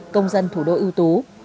công dân thủ đô ưu tú